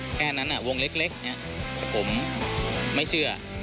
แค่นั้นน่ะวงเล็กผมไม่เชื่อ